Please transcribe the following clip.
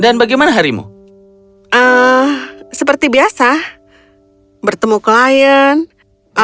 dan bagaimana harimu seperti biasa bertemu klien alokasi anggaran